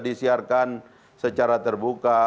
disiarkan secara terbuka